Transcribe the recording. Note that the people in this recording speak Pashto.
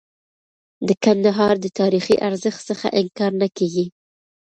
د کندهار د تاریخي ارزښت څخه انکار نه کيږي.